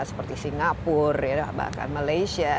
seperti singapura bahkan malaysia